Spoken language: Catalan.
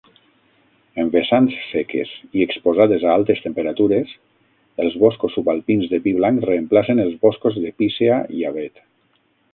En vessants seques i exposades a altes temperatures, els boscos subalpins de pi blanc reemplacen els boscos de pícea i avet.